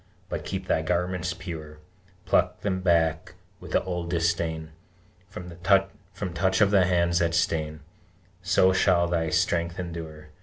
But keep thy garments pure: Pluck them back, with the old disdain, From touch of the hands that stain! So shall thy strength endure.